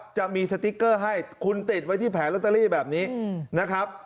จะมีสติ๊กเกอร์ให้คุณติดไว้ที่แผงลอตเตอรี่แบบนี้นะครับ